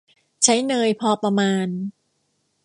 ใช้เนยพอประมาณ